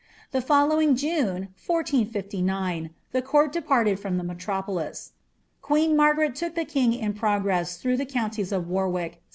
Thn following June, USS, the court departed from the melropolia. Qlii«n Margaret took the king in progress through the counties of War wick.